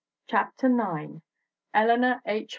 CHAPTER IX ELEANOR H.